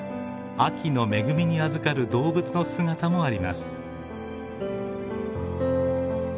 秋の恵みにあずかる動物の姿もあります。